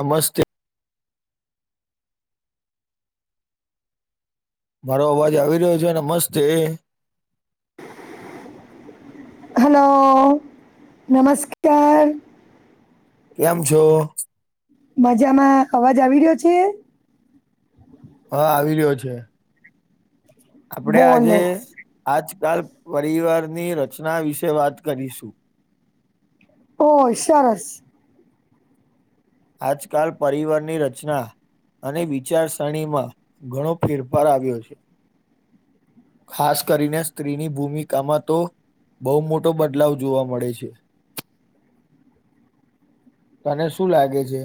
નમસ્તે. મારો અવાજ આવી રહ્યો છે, નમસ્તે. હાલો! નમસ્કાર. કેમ છો? મજામાં, અવાજ આવી રિયો છે? હા આવી રિયો છે. આપળે આજે બોલો આજકાલ પરિવારની રચના વિશે વાત કરીશું. ઓય સરસ. આજકાલ પરિવારની રચના અને વિચારસરણીમાં ઘણો ફેરફાર આવ્યો છે. ખાસ કરીને સ્ત્રીની ભૂમિકામાં તો. બો મોટો બદલાવ જોવા મળે છે. તને શું લાગે જ? જે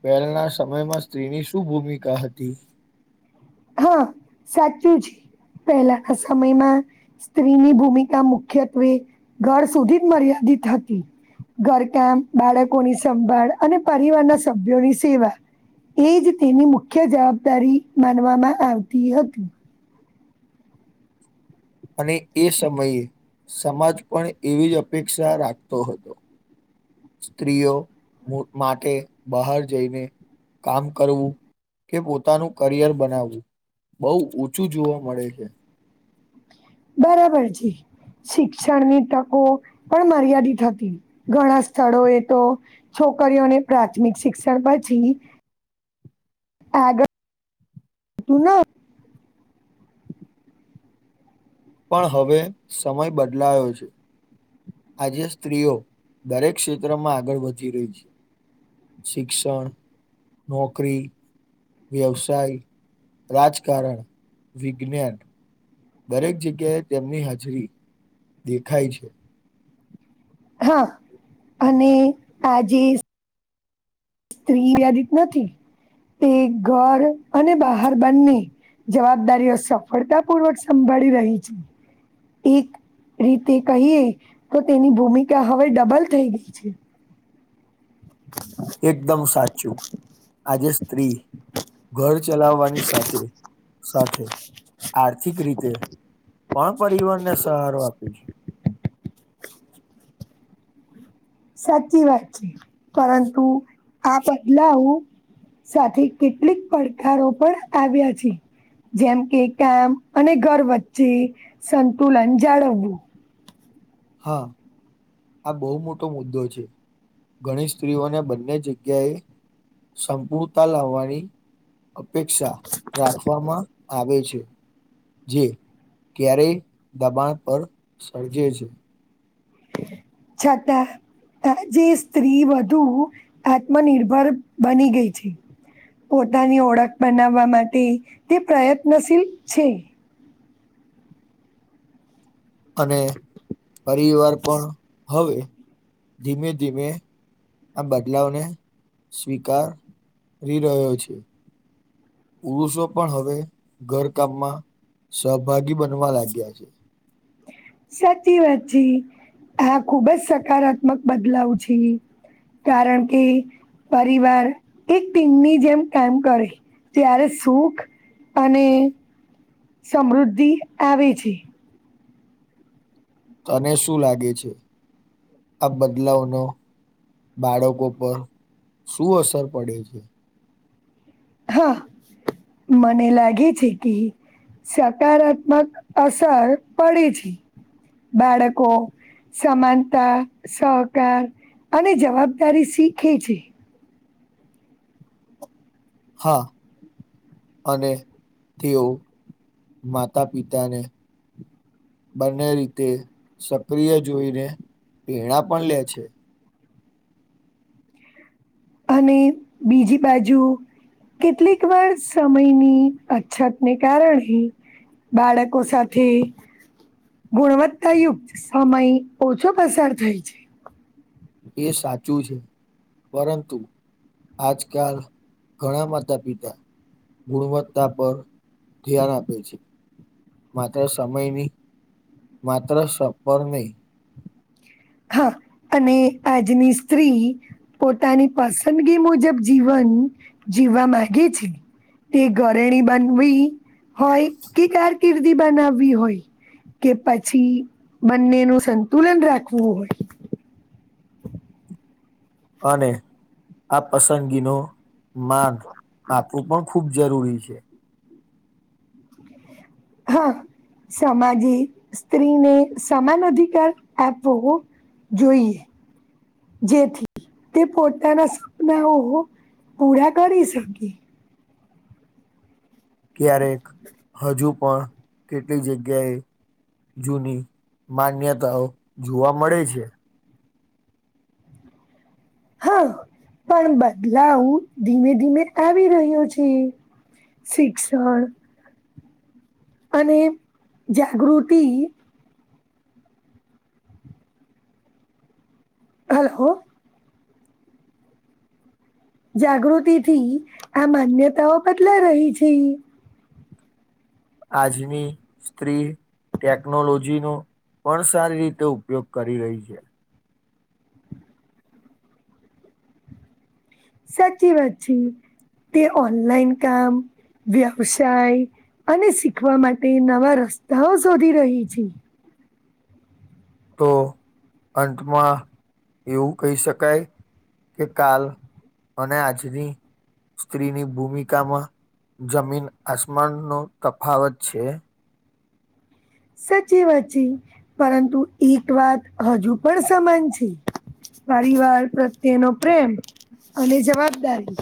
પૈલના સમયમાં સ્ત્રીની શું ભૂમિકા હતી? હા સાચું છે પેહેલાના સમયમાં. સ્ત્રીની ભૂમિકા મુખ્યત્વે ઘર સુધી જ મર્યાદિત હતી. ઘરકામ બાળકોની સંભાળ અને પરિવારના સભ્યોની સેવા. એ જ તેની મુખ્ય જવાબદારી માનવામાં આવતી હતી. અને એ સમયે સમાજ પણ એવી જ અપેક્ષા રાખતો હતો. સ્ત્રીઓ મો માટે બહાર જઈને. કામ કરવું કે પોતાનું કરિયર બનાવું. બઉ ઊંચું જોવા મળે છે. બરાબર જી શિક્ષણની તકો પણ મર્યાદિત હતી, ઘણા સ્થળો એ તો. છોકરીઓને પ્રાથમિક શિક્ષણ પછી આગળ તું ના. પણ હવે સમય બદલાયો છે. આજે સ્ત્રીઓ દરેક ક્ષેત્રમાં આગળ વધી રહી છે. શિક્ષણ, નોકરી વ્યવસાય, રાજકારણ, વિજ્ઞાન દરેક જગ્યાએ તેમની હાજરી દેખાય છે. હા, અને આજે સ્ત્રી વ્યાદિત નથી તે ઘર અને બહાર બંને. જવાબદારીઓ સફળતા પૂર્વક સંભાળી રહી છે. એક રીતે કહીએ તો તેની ભૂમિકા હવે ડબલ થઈ ગઈ છે. એકદમ સાચું. આજે સ્ત્રી ઘર ચલાવાની સાથે સાથે આર્થિક રીતે. પણ પરવાર ને સહારો આપી છે. સાચી વાત છે પરંતુ આ બદલાવું. સાથે કેટલીક પડકારો પણ આવ્યા છે. જેમ કે કામ અને ઘર વચ્ચે સંતુલન જાળવું. હા. આ બો મોટો મુદ્દો છે. ઘણી સ્ત્રીઓને બંને જગ્યાએ સંપૂરતા લાવાની. અપેક્ષા રાખવામાં આવે છે. જે ક્યારેય દબાણ પર સર્જે છે. છતા. આજે સ્ત્રી વધુ આત્મનિર્ભર બની ગય છે. પોતાની ઓળખ બનાવા માટે તે પ્રયત્નશીલ છે. અને પરિવાર પણ હવે ધીમે ધીમે. આ બદલાવને સ્વીકાર રહ્યો છે. પુરુષો પણ હવે ઘરકામમાં સહભાગી બનવા લાગ્યા છે. સાચી વાત છે આ ખુબ જ સકારાત્મક બદલાવ છે. કારણ કે પરિવાર એક ટીમની જેમ કામ કરે. ત્યારે સુખ અને સમૃદ્ધિ આવે છે. તને શું લાગે છે આ બદલાવનો. બાળકો પર શું અસર પડે છે. હા મને લાગે છે કે. સકારાત્મક અસર પડી છે બાળકો. સમાનતા સહકાર અને જવાબદારી શીખે છે. હા. અને તેઓ માતા પિતાને. બંને રીતે સક્રિય જોઈને પીણા પણ લે છે. અને બીજી બાજુ. કેટલીક વાર સમયની અછતને કારણે. બાળકો સાથે. ગુણવત્તાયુક્ત સમય ઓછો પસાર થાય છે. એ સાચું છે પરંતુ. આજકાલ ઘણા માતા પિતા. ગુણવત્તા પર ધ્યાન આપે છે. માત્ર સમયની માત્ર સ પર નહી. હા અને આજની સ્ત્રી. પોતાની પસંદગી મુજબ જીવન જીવવા માંગે છે. તે ઘરેણી બનવી હોય કે કારકિર્દી બનાવવી હોય. કે પછી બંને ન સંતુલન રાખવું હોય. અને આ પસંદગી ન માન આપવું પણ ખુબ. જરૂરી છે. હા સમાજે સ્ત્રીને સમાન અધિકાર આપવો. જોઈએ. જેથી તે પોતાના સપનાઓ પૂરા કરી શકે. ક્યારેક હજુ પણ કેટલી જગ્યાએ. જૂની માન્યતાઓ જોવા મળે છે. હા પણ બદલાવ ધીમે ધીમે આવી રહ્યો છે. શિક્ષણ. અને જાગૃતિ. હેલો. જાગૃતિ થી આ માન્યતાઓ બદલા રહી છે. આજની સ્ત્રી. ટેકનોલોજી નો પણ સારી રીતે ઉપયોગ કરી રહી છે. સાચી વાચી તે ઓનલાઈન કામ. વ્યવસાય અને શીખવા માટે નવા રસ્તાઓ શોધી રહી છે. તો અંતમાં એવું કહી શકાય કે કાલ. અનેને આજ ભી. સ્ત્રીની ભૂમિકામાં જમીન આસમાનનોો તફાવત છે. સચી વાચી પરંતુ એક વાત હજુ પણ સમાન છે. પરિવાર પ્રત્યેનો પ્રેમ અને જવાબદારી.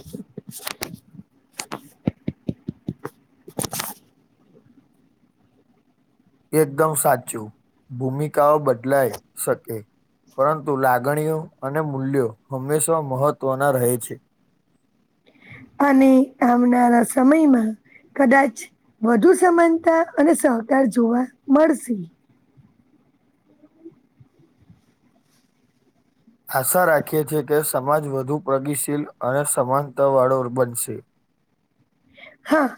એકદમ સાચું ભૂમિકાઓ બદલાય શકે. પરંતુ લાગણીઓ અને મૂલ્યો હંમેશા મહત્વના રહે છે. અને આવનારા સમયમાં કદાચ વધુ સમાનતા અને સહકાર જોવા મળશે. આશા રાખીએછે કે સમાજ વધુ પ્રગશીલ અને સમાનતા વાળો બનશે. હા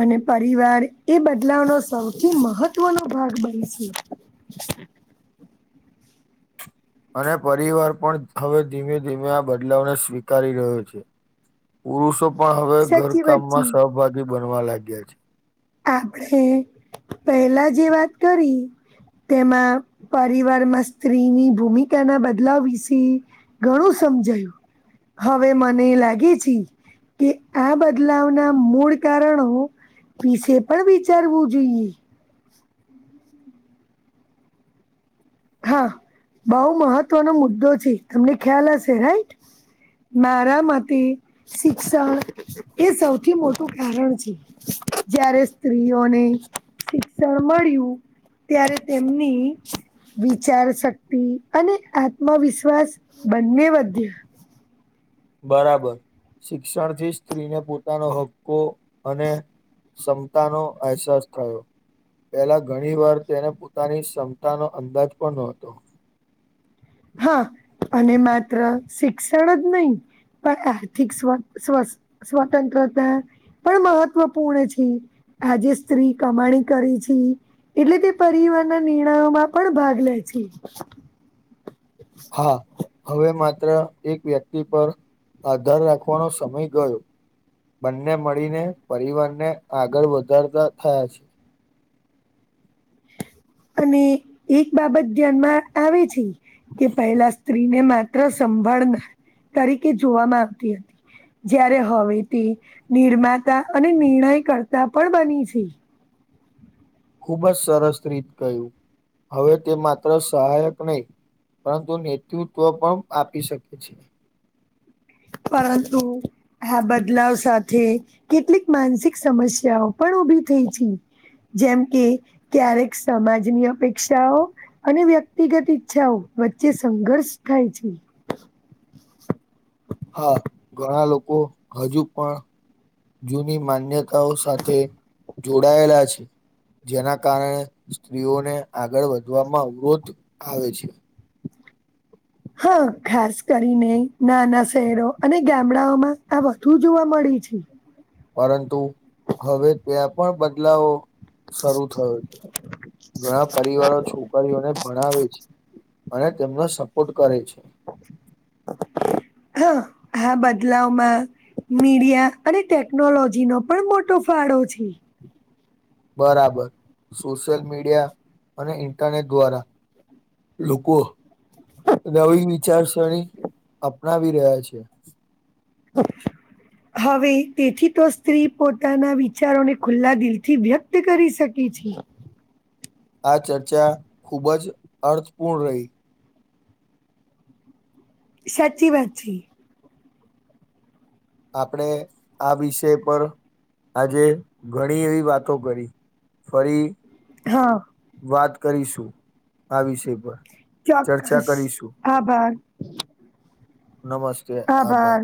અને પરિવાર એ બદલાવનો સૌથી મહત્વનો ભાગ બનશે [inaudible] અને પરિવાર પણ હવે ધીમે ધીમે આ બદલાવને સ્વીકારી રહ્યો છે. પુરુષો પણ હવે સાચી ઘરકામ વાત છે માં સહભાગી બનવા લાગ્યા છે. આપણે પહેલા જે વાત કરી તેમાં પરિવારમાં સ્ત્રીની ભૂમિકાના બદલાવ વિશે ઘણું સમજાયું હવે મને લાગે છે કે આ બદલાવના મૂળ કારણો વિશે પણ વિચારવું જોઈએ. હા બઉ મહત્વનો મુદ્દો છે તમને ખ્યાલ હશે રાઈટ. મારા મતે શિક્ષણ એ સૌથી મોટું કારણ છે. જયારે સ્ત્રીઓને શિક્ષણ મળ્યું ત્યારે તેમની વિચાર શક્તિ અને આત્મવિશ્વાસ બંને વધે. બરાબર શિક્ષણ થી સ્ત્રીને પોતાનો હક્કો અને ક્ષમતાનો અહેસાસ થયો. પહેલા ઘણી વાર તેને પોતાની ક્ષમતા ન અંદાજ પણ નતો હા અને માત્ર શિક્ષણ જ નહી પણ આર્થિક સ્વ સ્વસ્ સ્વતંત્રતા પણ મહત્ત્વપૂર્ણ છે. આજે સ્ત્રી કમાણી કરી છે. એટલે તે પરિવારના નિર્ણયો માં પણ ભાગ લે છે. હા હવે માત્ર એક વ્યક્તિ પર આધાર રાખવાનો સમય ગયો. બંને મળીને પરિવાર ને આગળ વધારતા થયા છે. અને એક બાબત ધ્યાનમાં આવે છે કે પહેલા સ્ત્રીને મા તો સંભાળનાર તરીકે જોવામાં આવતી હતી. જય્યારે હવે તે નિર્માતા અને નિર્ણય કરતા પણ બની છે. ખૂબ જ સરસ રીત ક્યું હવે તે માત્ર સહાયક નહી. પરંતુ નેતૃત્વ પણ આપી શકે છે. પરંતુ આ બદલાવ સાથે કેટલીક માનસિક સમસ્યાઓ પણ ઉભી થઈ છે. જેમ કે ક્યારેક સમાજની અપેક્ષાઓ અને વ્યક્તિગત ઈચ્છાઓ વચ્ચે સંઘર્ષ થાય છે. હા ઘણા લોકો હજુ પણ જૂની માન્યતાઓ સાથે જોડાયેલા છે. જેના કારણે સ્ત્રીઓને આગળ વધવામાં અવરોધ આવે છે. હા ખાસ કરીને નાના શહેરો અને ગામડાઓમાં આ વધુ જોવા મળે છે. પરંતુ હવે ત્યાં પણ બદલાવો શરૂ થયો ઘણા પરિવારો છોકરીઓને ભણાવે છે. અને તેમનો સપોર્ટ કરે છે. હા હા બદલાવમાં મીડિયા અને ટેકનોલોજી નો પણ મોટો ફાળો છે. બરાબર સોશિયલ મીડિયા અને ઇન્ટરનેટ દ્વારા લોકો નવી વિચારસરણી અપનાવી રહ્યા છે. હ હવે તેથી તે સ્ત્રી પોતાના વિચારોને ખુલ્લા દિલથી વ્યક્ત કરી શકે છે. આ ચર્ચા ખુબ જ અર્થપૂર્ણ રહી. સાચી વાચી આપણે આ વિષય પર આજે ઘણી એવી વાતો કરી ફરી હા. વાત કરીશું આ વિષય પર ચર્ચા ચોક્કસ કરીશું. આભાર. નમસ્તે આભા આભાર